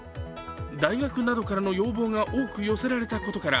大学などからの要望が多く寄せられたことから